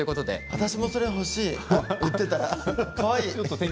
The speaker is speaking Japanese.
私もそれ欲しい売っていたら、かわいい。